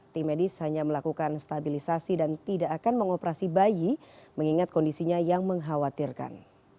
tim medis hanya melakukan stabilisasi dan tidak akan mengoperasi bayi mengingat kondisinya yang mengkhawatirkan